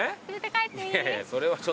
いやいやそれはちょっと。